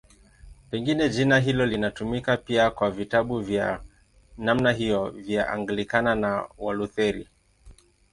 Pengine jina hilo linatumika pia kwa vitabu vya namna hiyo vya Anglikana na Walutheri.